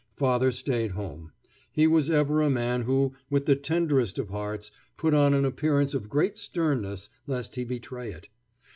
Father stayed home. He was ever a man who, with the tenderest of hearts, put on an appearance of great sternness lest he betray it.